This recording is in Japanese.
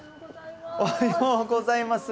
おはようございます。